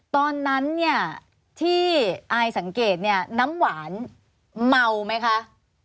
ตอนนั้นเนี่ยที่อายสังเกตเนี่ยน้ำหวานเมาไหมคะ